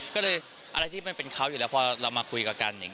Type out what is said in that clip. ก็เลยอะไรที่มันเป็นเขามันอยู่แล้วพอเรามหาคุยกัน